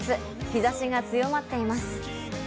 日差しが強まっています。